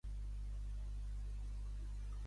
Mauro la roba al safareig.